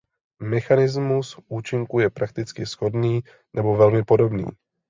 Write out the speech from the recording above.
Mechanismus účinku je prakticky shodný nebo velmi podobný.